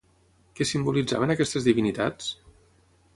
Què simbolitzaven aquestes divinitats?